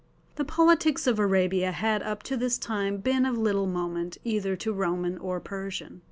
The politics of Arabia had up to this time been of little moment either to Roman or Persian.